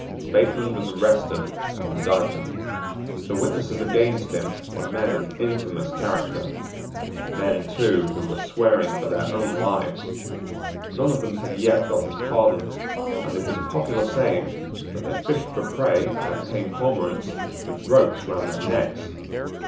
Bateman was arrested and indicted. The witnesses against him were men of infamous character, men, too, who were swearing for their own lives. None of them had yet got his pardon; and it was a popular saying, that they fished for prey, like tame cormorants, with ropes round their necks.